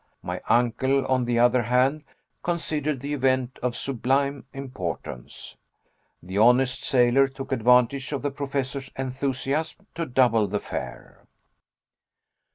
My uncle, on the other hand, considered the event of sublime importance. The honest sailor took advantage of the Professor's enthusiasm to double the fare.